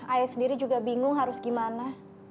ayah sendiri juga bingung harus gimana